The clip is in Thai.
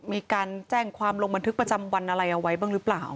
มีการแจ้งความลงบันทึกประจำวันอะไรเอาไว้บ้างหรือเปล่า